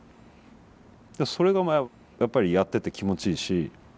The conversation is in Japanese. それがやっぱりやってて気持ちいいし。